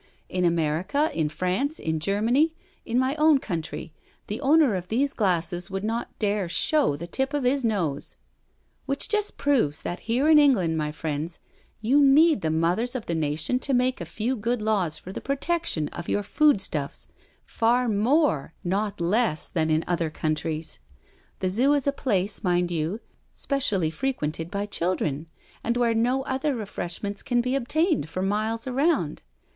In America, in France, in Germany, in my own country, the owner of these glasses would not dare show the tip of his nose; which just proves that here in England, my friends, you need the mothers of the nation to make a few good laws for the protection of your food stuffs, far more, not less, than in other coun tries* The Zoo is a place, mind you, specially fre quented by children, and where no other refreshments can be obtained for miles around.